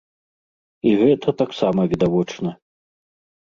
І гэта таксама відавочна.